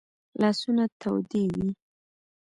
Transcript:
لاسونه تودې وي